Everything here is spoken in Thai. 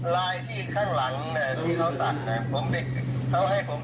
ลายที่ข้างหลังที่เขาสักนะครับเขาให้ผมไปแก้ให้นะครับ